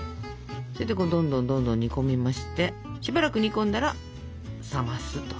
それでこれどんどんどんどん煮込みましてしばらく煮込んだら冷ますと。